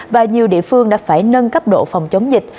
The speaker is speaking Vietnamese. và nhiều địa phương đã phải nâng cấp độ phòng chống dịch